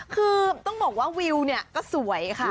คือต้องบอกว่าวิวก็สวยคะ